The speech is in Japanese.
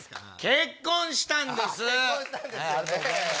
結婚したんです。